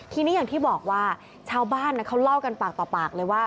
ทีนี้อย่างที่บอกว่าชาวบ้านเขาเล่ากันปากต่อปากเลยว่า